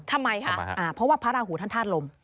เพราะว่าพระราฮูท่านทาสลม